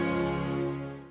ya sudah sama